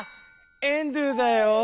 エンドゥだよ。